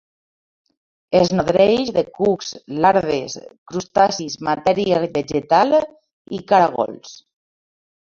Es nodreix de cucs, larves, crustacis, matèria vegetal i caragols.